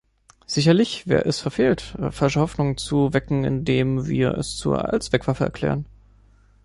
Sicherlich wäre es verfehlt, falsche Hoffnungen zu wecken, indem wir es zur Allzweckwaffe erklären.